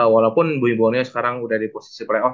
walaupun bumi buwoneo sekarang udah di posisi playoff